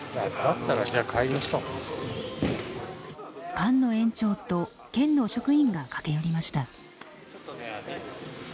菅野園長と県の職員が駆け寄りました。